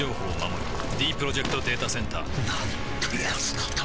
ディープロジェクト・データセンターなんてやつなんだ